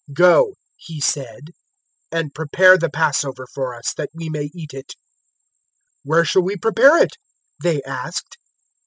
"Go," He said, "and prepare the Passover for us, that we may eat it." 022:009 "Where shall we prepare it?" they asked.